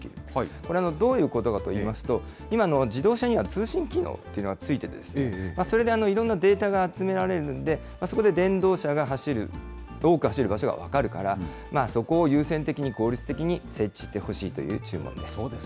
これどういうことかというと、今の自動車には通信機能というのがついているんですけど、それでいろんなデータが集められるんで、そこで電動車が多く走る場所が分かるから、そこを優先的に効率的に設置してほしいという注文です。